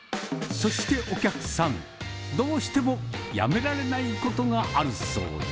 そしてお客さん、どうしてもやめられないことがあるそうで。